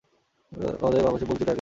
আমাদের বাংলদেশে পঞ্চু তো একলা নয়।